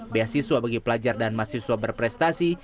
beasiswa bagi pelajar dan mahasiswa berprestasi